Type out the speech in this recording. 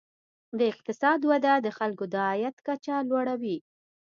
د اقتصاد وده د خلکو د عاید کچه لوړوي.